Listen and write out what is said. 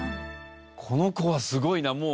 この子はすごいな。